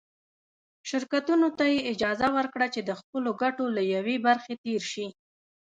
شرکتونو ته یې اجازه ورکړه چې د خپلو ګټو له یوې برخې تېر شي.